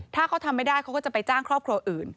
ถ้าเขาทำไม่ได้เขาก็จะไปจ้างครอบครัวอื่น